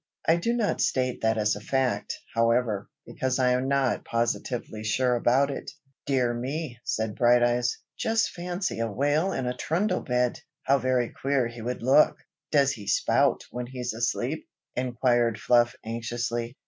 I do not state that as a fact, however, because I am not positively sure about it." "Dear me!" said Brighteyes. "Just fancy a whale in a trundle bed! how very queer he would look!" "Does he spout when he's asleep?" inquired Fluff anxiously.